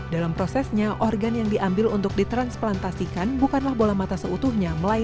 dalam prosesnya organ yang diambil untuk ditransplantasikan bukanlah bola mata seutuhnya